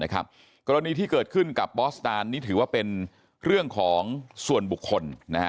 กรณีที่เกิดขึ้นกับบอสตานนี่ถือว่าเป็นเรื่องของส่วนบุคคล